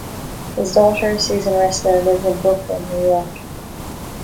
His daughter, Susan Restler, lives in Brooklyn, New York.